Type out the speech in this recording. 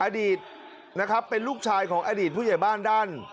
อดีตนะครับเป็นลูกชายของอดีตผู้ใหญ่บ้านด้าน